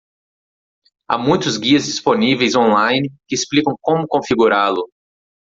Há muitos guias disponíveis on-line que explicam como configurá-lo.